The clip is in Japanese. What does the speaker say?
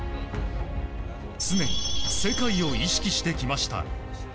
常に世界を意識してきました。